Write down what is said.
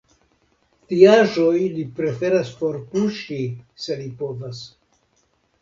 Tiaĵoj li preferas forpuŝi, se li povas.